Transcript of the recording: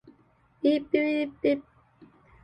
Wood veneers are typically sold by the square foot.